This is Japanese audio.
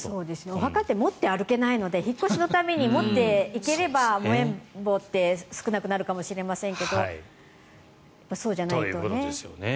お墓って持って歩けないので引っ越しのために持っていければ無縁墓って少なくなるかもしれませんがそうじゃないとね。